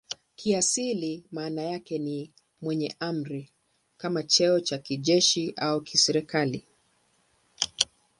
Kiasili maana yake ni "mwenye amri" kama cheo cha kijeshi au kiserikali.